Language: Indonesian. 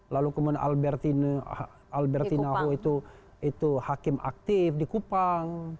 lalu kemudian alberti naho itu hakim aktif di kupang